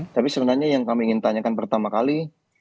tapi sebenarnya yang kami ingin tanyakan pertama kali